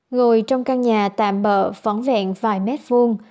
ngồi trong căn nhà tạm bỡ phỏng vẹn vài mét vuông